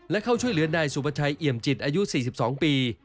และเข้าช่วยเหลือนายสุประชัยเอี่ยมจิตอายุ๔๒ปี